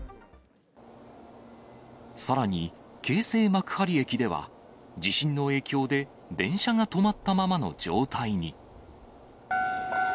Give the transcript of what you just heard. さらに京成幕張駅では、地震の影響で電車が止まったままの状態に。